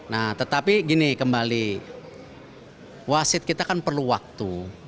nah tetapi gini kembali wasit kita kan perlu waktu